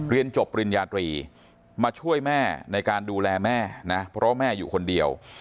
เรียนจบปริญญาตรีมาช่วยแม่ในการดูแลแม่นะเพราะว่าแม่อยู่คนเดียว